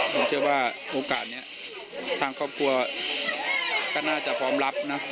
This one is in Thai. ผมเชื่อว่าโอกาสนี้ทางครอบครัวก็น่าจะพร้อมรับนะ